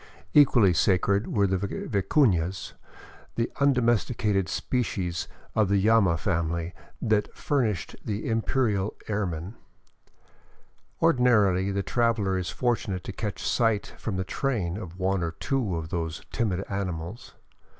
Equally sacred were the vicunas, the undomesti cated species of the llama family that furnished the imperial ermine. Ordinarily the traveler is fortunate to catch sight from the train of one or two of those timid animals.